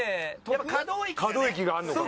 可動域があるのかな